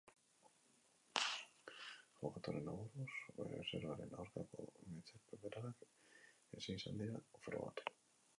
Abokatuaren aburuz, bere bezeroaren aurkako gaitzespen penalak ezin izan dira dira frogatu.